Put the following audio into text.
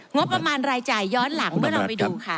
งบประมาณรายจ่ายย้อนหลังเมื่อเราไปดูค่ะ